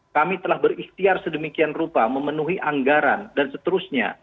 kami telah berikhtiar sedemikian rupa memenuhi anggaran dan seterusnya